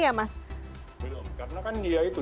belum karena kan ya itu